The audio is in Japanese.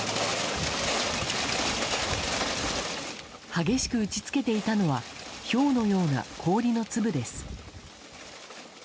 激しく打ち付けていたのはひょうのような氷の粒です。